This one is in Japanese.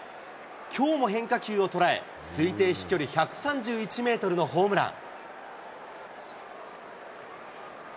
きょうも変化球を捉え、推定飛距離１３１メートルのホームラン。